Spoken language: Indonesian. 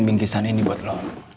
bingki sani ini buat lo